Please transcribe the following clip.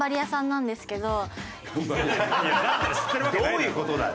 どういう事だよ！